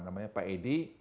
pak anu pak edi